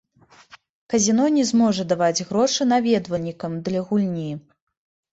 Казіно не зможа даваць грошы наведвальнікам для гульні.